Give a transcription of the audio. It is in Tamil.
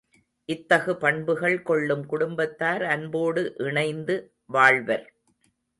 இத்தகு பண்புகள் கொள்ளும் குடும்பத்தார் அன்போடு இணைந்து வாழ்வர்.